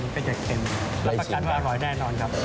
ล่ะปากกันว่าอร่อยแหลคนขับ